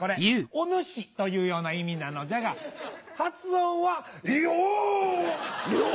「お主」というような意味なのじゃが発音はヨォ！